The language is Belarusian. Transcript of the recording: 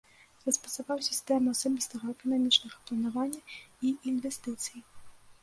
Распрацаваў сістэму асабістага эканамічнага планавання і інвестыцый.